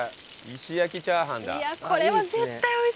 石焼チャーハンだ。